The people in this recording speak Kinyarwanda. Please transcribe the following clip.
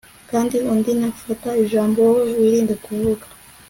kandi undi nafata ijambo, wowe wirinde kuvuga